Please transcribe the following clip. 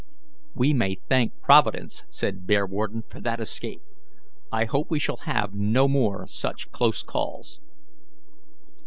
"We may thank Providence," said Bearwarden, "for that escape. I hope we shall have no more such close calls."